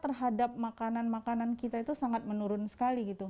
terhadap makanan makanan kita itu sangat menurun sekali gitu